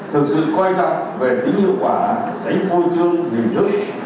thực sự quan trọng về tính hiệu quả tránh phôi trương hiểm thức